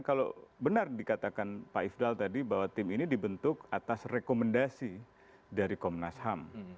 kalau benar dikatakan pak ifdal tadi bahwa tim ini dibentuk atas rekomendasi dari komnas ham